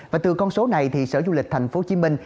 và từ con số này thì sở du lịch thành phố hồ chí minh